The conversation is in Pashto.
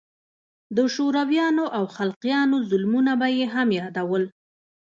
د شورويانو او خلقيانو ظلمونه به يې هم يادول.